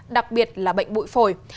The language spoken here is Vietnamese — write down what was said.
đặc biệt là bệnh bụi phổi